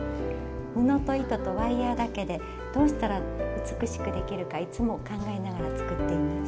布と糸とワイヤーだけでどうしたら美しくできるかいつも考えながら作っています。